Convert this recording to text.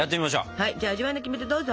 はいじゃあ味わいのキメテどうぞ！